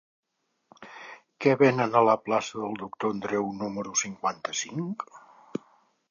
Què venen a la plaça del Doctor Andreu número cinquanta-cinc?